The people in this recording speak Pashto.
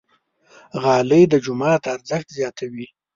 غالۍ د جومات ارزښت زیاتوي.